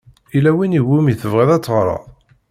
Yella win i wumi tebɣiḍ ad teɣṛeḍ?